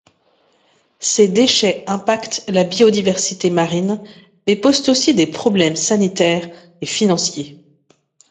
Ces déchets impactent la biodiversité marine, mais posent aussi des problèmes sanitaires et financiers.